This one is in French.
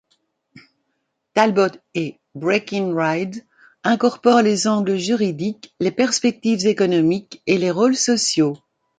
Talbot et Breckinridge incorporent les angles juridiques, les perspectives économiques et les rôles sociaux.